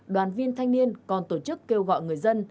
đoàn viên thanh niên còn tổ chức kêu gọi người dân